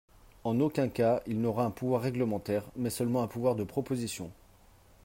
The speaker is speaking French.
En aucun cas il n’aura un pouvoir réglementaire, mais seulement un pouvoir de proposition.